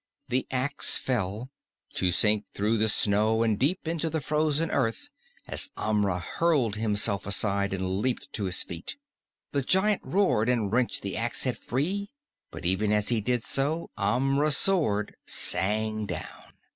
The axe fell, to sink through the snow and deep into the frozen earth as Amra hurled himself aside and leaped to his feet. The giant roared and wrenched the axe head free, but even as he did so, Amra's sword sang down.